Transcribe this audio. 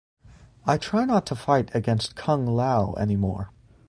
I try not to fight against Kung Lao anymore.